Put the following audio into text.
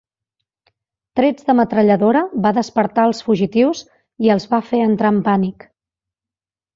Trets de metralladora va despertar els fugitius i els va fer entrar en pànic.